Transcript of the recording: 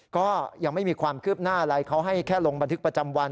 ก็ยังไม่มีความคืบหน้าอะไรเขาให้แค่ลงบันทึกประจำวัน